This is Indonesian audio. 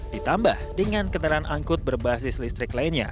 ditambah dengan kendaraan angkut berbasis listrik lainnya